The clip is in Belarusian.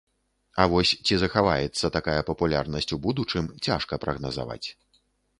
А вось ці захаваецца такая папулярнасць у будучым, цяжка прагназаваць.